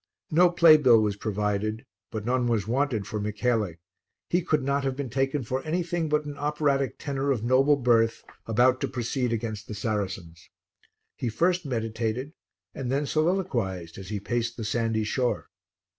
No playbill was provided, but none was wanted for Michele, he could not have been taken for anything but an operatic tenor of noble birth about to proceed against the Saracens. He first meditated and then soliloquized as he paced the sandy shore.